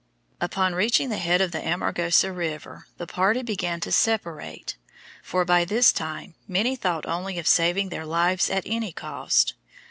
Upon reaching the head of the Amargosa River the party began to separate, for by this time many thought only of saving their lives at any cost.